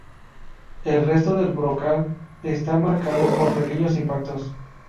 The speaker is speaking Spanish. El resto del brocal está marcado por pequeños impactos.